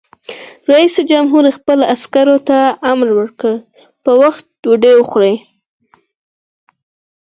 رئیس جمهور خپلو عسکرو ته امر وکړ؛ په وخت ډوډۍ وخورئ!